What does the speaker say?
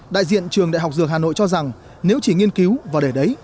đại diện trường đại học dược hà nội cho rằng nếu chỉ nghiên cứu và để đấy